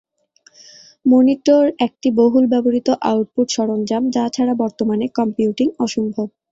Monitor একটি বহুল ব্যবহৃত আউটপুট সরঞ্জাম যা ছাড়া বর্তমানে কম্পিউটিং অসম্ভব।